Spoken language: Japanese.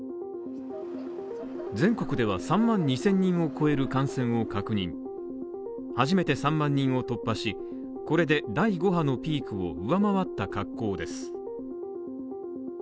全国では３万２０００人を超える感染を確認、初めて３万人を突破し、これで第５波のピークを上回った格好です